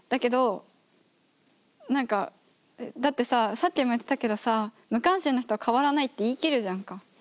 さっきも言ってたけどさ無関心な人は変わらないって言い切るじゃんか。